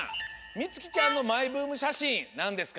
みつきちゃんのマイブームしゃしんなんですか？